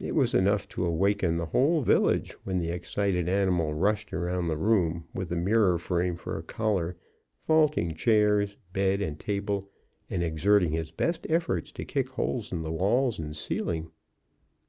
It was enough to awaken the whole village when the excited animal rushed around the room with the mirror frame for a collar, vaulting chairs, bed, and table, and exerting his best efforts to kick holes in the walls and ceiling.